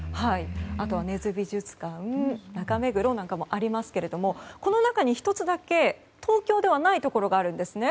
あとは根津美術館中目黒なんかもありますけどこの中に１つだけ東京ではないところがあるんですね。